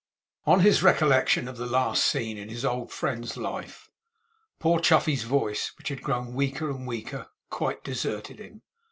On his recollection of the last scene in his old friend's life, poor Chuffey's voice, which had grown weaker and weaker, quite deserted him.